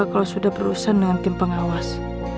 kalau sudah berurusan dengan tim pengawas